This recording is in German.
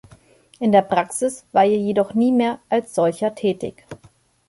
In der Praxis war er jedoch nie mehr als solcher tätig.